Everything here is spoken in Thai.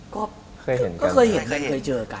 ก็ก็เคยเห็นเคยเจอกัน